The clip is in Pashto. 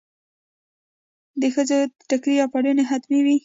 د ښځو ټیکری یا پړونی حتمي وي.